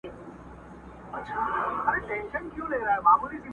د قدرت دپاره هر يو تر لاس تېر وو.!